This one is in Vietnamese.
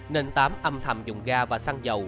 nên tám âm thầm dùng ga và xăng dầu